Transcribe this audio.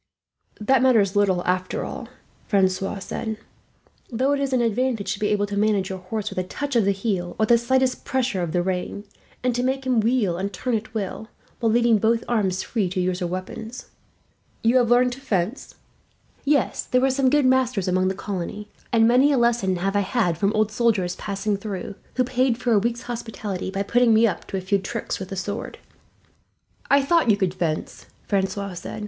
"That matters little, after all," Francois said; "though it is an advantage to be able to manage your horse with a touch of the heel, or the slightest pressure of the rein, and to make him wheel and turn at will, while leaving both arms free to use your weapons. You have learned to fence?" "Yes. There were some good masters among the colony, and many a lesson have I had from old soldiers passing through, who paid for a week's hospitality by putting me up to a few tricks with the sword." "I thought you could fence," Francois said.